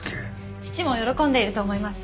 父も喜んでいると思います。